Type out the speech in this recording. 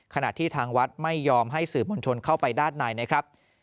ขณะที่ทางวัดไม่ยอมให้สื่อมวลชนเข้าไปด้านในนะครับ